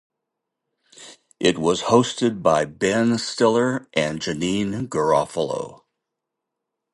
It was hosted by Ben Stiller and Janeane Garofalo.